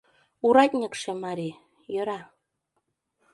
Уратньыкше марий — йӧра...